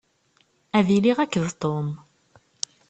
Ad iliɣ akked Tom.